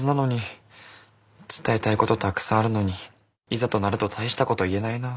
伝えたいことたくさんあるのにいざとなると大したこと言えないな。